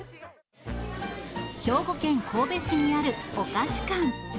兵庫県神戸市にあるおかし館。